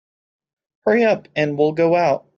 Hurry up and we'll go out.